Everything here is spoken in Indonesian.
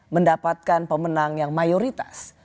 mendapatkan pemenang yang mayoritas